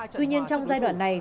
tuy nhiên trong giai đoạn này